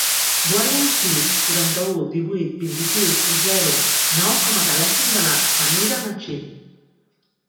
Guarda el sis, quaranta-u, divuit, vint-i-sis, zero, nou com a telèfon de la Samira Machin.